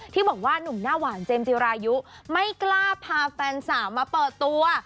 ที่บอกว่าหนุ่มหน้าหวานเจมส์จิรายุไม่กล้าพาแฟนสาวมาเปิดตัว